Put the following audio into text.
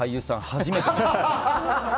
初めてですって。